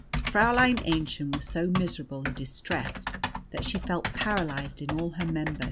Fräulein Aennchen was so miserable and distressed that she felt paralyzed in all her members.